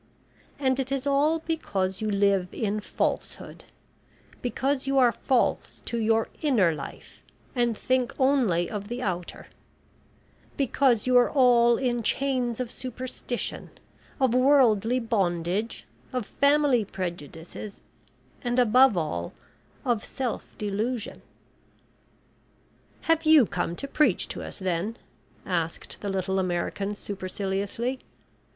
And it is all because you live in falsehood because you are false to your inner life, and think only of the outer; because you are all in chains of superstition of worldly bondage, of family prejudices, and, above all, of self delusion." "Have you come to preach to us, then?" asked the little American superciliously.